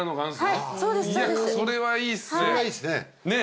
いやそれはいいっすね。